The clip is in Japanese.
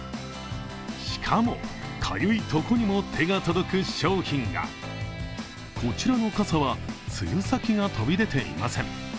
しかもかゆいとこにも手が届く商品がこちらの傘は、つゆ先が飛び出ていません。